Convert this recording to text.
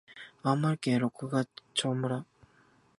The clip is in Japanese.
青森県六ヶ所村